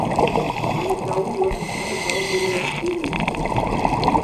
Antaŭe ankaŭ mi ne sciis.